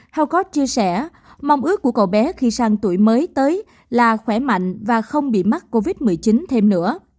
haukod chia sẻ mong ước của cậu bé khi sang tuổi mới tới là khỏe mạnh và không bị mắc covid một mươi chín thêm nữa